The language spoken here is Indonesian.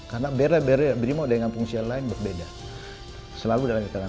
karena brimop dengan fungsi lain berbeda selalu dalam ikatan satuan